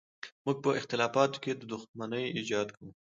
موږ په اختلافاتو کې د دښمنۍ ایجاد کوو.